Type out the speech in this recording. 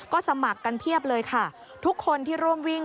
ก็สมัครกันเพียบเลยค่ะทุกคนที่ร่วมวิ่ง